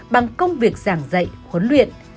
bằng công việc giảng dạy huấn luyện